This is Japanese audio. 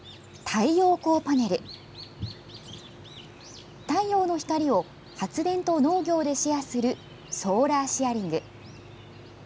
太陽の光を発電と農業でシェアするソーラーシェアリング。